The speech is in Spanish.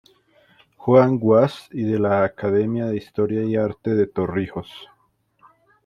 Juan Guas" y de la "Academia de Historia y Arte de Torrijos".